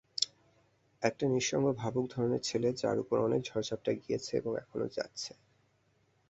একটা নিঃসঙ্গ ভাবুক ধরনের ছেলে, যার উপর অনেক ঝড়ঝাপ্টা গিয়েছে এবং এখনো যাচ্ছে।